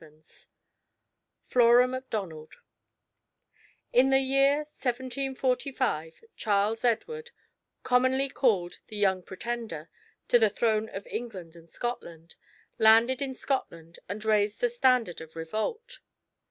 IX FLORA MACDONALD In the year 1745 Charles Edward, commonly called the "Young Pretender" to the throne of England and Scotland, landed in Scotland and raised the standard of revolt.